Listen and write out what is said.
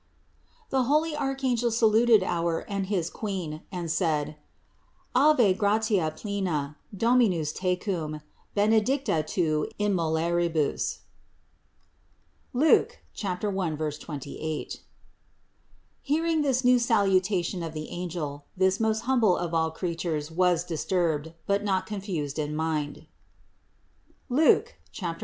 The holy archangel saluted our and his Queen and said: "Ave gratia plena, Dominus tecum, benedicta tu in mulieribus" (Luke 1, 28). Hearing this new sal utation of the angel, this most humble of all creatures was disturbed, but not confused in mind (Luke 1, 29).